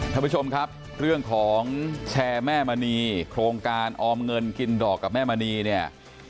ท่านผู้ชมครับเรื่องของแชร์แม่มณีโครงการออมเงินกินดอกกับแม่มณีเนี่ย